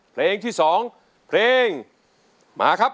เพลงที่๒เพลงมาครับ